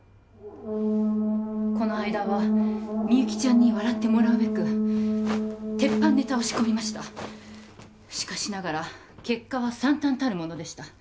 この間はみゆきちゃんに笑ってもらうべく鉄板ネタを仕込みましたしかしながら結果は惨憺たるものでした